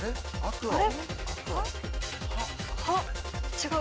違う。